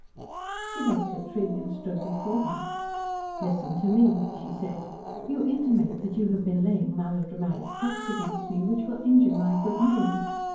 She left her tree and stood before him. "Listen to me," she said. "You intimate that you have been laying melodramatic plots against me which will injure my good name.